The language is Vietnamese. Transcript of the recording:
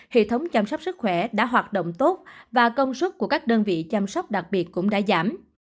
hệ thống chăm sóc sức khỏe đã hoạt động tốt và công suất của các đơn vị chăm sóc đặc biệt cũng đã giảm